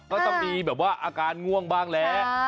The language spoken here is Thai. ก็ต้องมีแบบว่าอาการง่วงบ้างแหละ